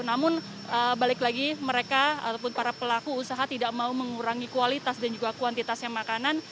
namun balik lagi mereka ataupun para pelaku usaha tidak mau mengurangi kualitas dan juga kuantitasnya makanan